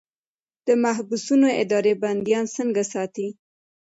د محبسونو اداره بندیان څنګه ساتي؟